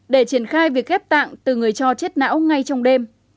để triển khai việc ghép tạng từ người cho chết não ngay trong đêm